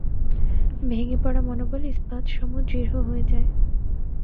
ভেঙ্গে পড়া মনোবল ইস্পাতসম দৃঢ় হয়ে যায়।